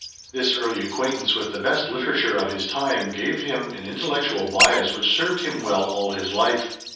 This early acquaintance with the best literature of his time gave him an intellectual bias which served him well all his life.